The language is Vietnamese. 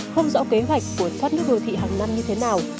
không rõ kế hoạch của thoát nước đô thị hàng năm như thế nào